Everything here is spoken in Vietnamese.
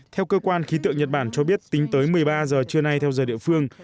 theo cơ quan khí tượng nhật bản cho biết tính tới một mươi ba giờ trưa nay theo giờ địa phương